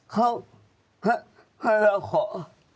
เขาให้เราขอ